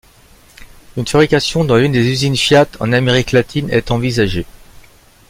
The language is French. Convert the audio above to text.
Une fabrication dans une des usines Fiat en Amérique Latine est envisagée.